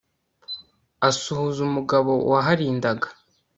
asuhuza umugabo waharindaga